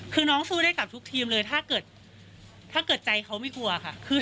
คือน้องสู้ได้กับทุกทีมเลยถ้าเกิดถ้าเกิดใจเขาไม่กลัวค่ะ